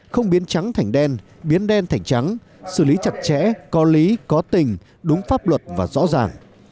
không biến trắng thành đen biến đen thành trắng xử lý chặt chẽ có lý có tình đúng pháp luật và rõ ràng